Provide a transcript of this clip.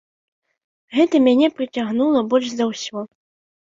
Гэта мяне прыцягнула больш за ўсё.